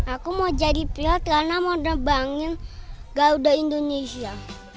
aku mau jadi pilot karena mau terbangin gauda indonesia